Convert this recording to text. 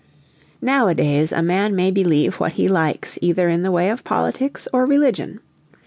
Nowadays a man may believe what he likes either in the way of politics or religion.